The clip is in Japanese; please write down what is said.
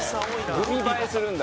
グミ映えするんだ。